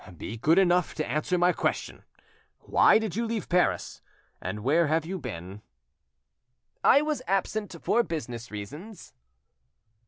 "Be good enough to answer my question. Why did you leave Paris? And where have you been?" "I was absent for business reasons."